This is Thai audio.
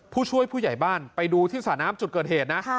ผู้ช่วยผู้ใหญ่บ้านไปดูที่สระน้ำจุดเกิดเหตุนะ